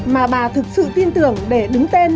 mà bà thực sự tin tưởng để đứng tên